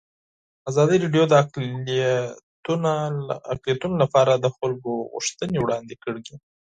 ازادي راډیو د اقلیتونه لپاره د خلکو غوښتنې وړاندې کړي.